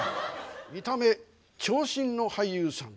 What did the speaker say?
見た目長身の俳優さん。